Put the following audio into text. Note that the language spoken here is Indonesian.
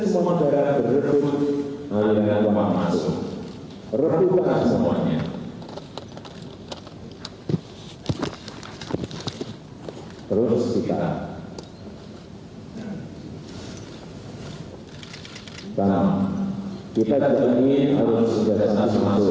hampir semua negara berebut nalangkan kemah masuk